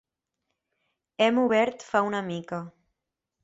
Hem obert fa una mica.